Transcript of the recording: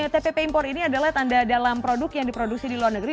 tpp impor ini adalah tanda dalam produk yang diproduksi di luar negeri